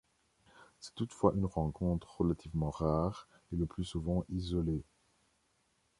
C'est toutefois une rencontre relativement rare et le plus souvent isolée.